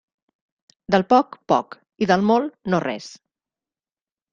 Del poc, poc, i del molt, no res.